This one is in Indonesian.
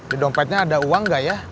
di dompetnya ada uang nggak ya